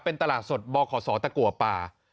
เป็นตลาดสดบขศตะกัวป่า